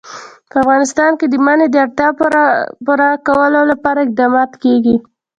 په افغانستان کې د منی د اړتیاوو پوره کولو لپاره اقدامات کېږي.